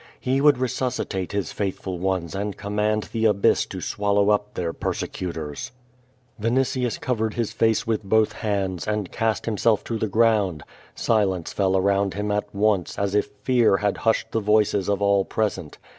He would resuscitate His faithful ones and command the abyss to swallow up their persecutors. Yinitius covered his face with both hands, and cast himsel t to the ground. Silence fell around him at once, as if fear had hushed the voices of all present.